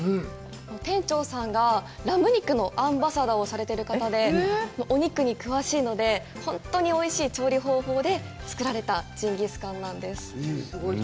店長さんがラム肉のアンバサダーをされている方で、お肉に詳しいので、本当においしい調理方法で作られたジンギスカンなんです。